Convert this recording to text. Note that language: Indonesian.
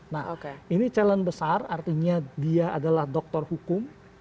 nah ini challenge besar artinya dia adalah doktor hukum